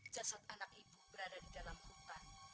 jasad anak ibu berada di dalam hutan